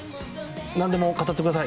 何でも語ってください。